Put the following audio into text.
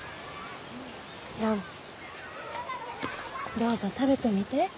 どうぞ食べてみて。